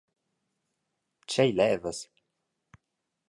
Tgei levas?